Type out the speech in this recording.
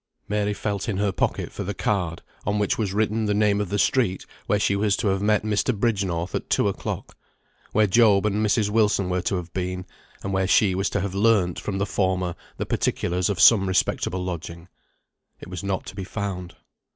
Mary felt in her pocket for the card, on which was written the name of the street where she was to have met Mr. Bridgenorth at two o'clock; where Job and Mrs. Wilson were to have been, and where she was to have learnt from the former the particulars of some respectable lodging. It was not to be found.